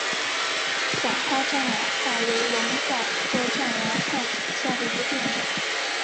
伞花獐牙菜为龙胆科獐牙菜属下的一个变种。